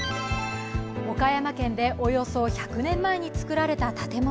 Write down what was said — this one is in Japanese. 岡山県でおよそ１００年前に造られた建物。